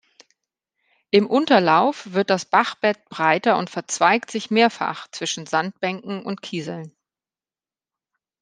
Im Unterlauf wird das Bachbett breiter und verzweigt sich mehrfach zwischen Sandbänken und Kieseln.